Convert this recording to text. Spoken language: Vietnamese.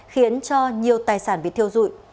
khiến cho nhiều tài sản bị thiêu dụi